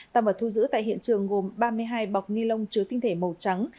bác quả thu giữ tại hiện trường gồm ba mươi hai bọc ni lông chứa tinh thể màu trắng